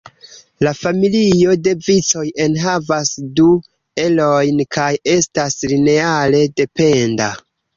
La "familio" de vicoj enhavas du erojn kaj estas lineare dependa.